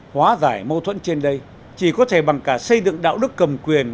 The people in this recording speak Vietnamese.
hóa giải mâu thuẫn trên đây chỉ có thể bằng cả xây dựng đạo đức cầm quyền